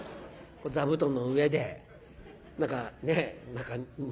座布団の上で何かねえ